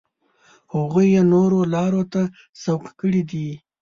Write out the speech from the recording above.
هغوی یې نورو لارو ته سوق کړي دي.